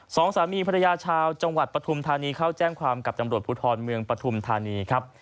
สองสามีภรรยาชาวจังหวัดปฐุมธานีเข้าแจ้งความกับตำรวจภูทรเมืองปฐุมธานีครับ